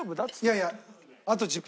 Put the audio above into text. いやいやあと１０分。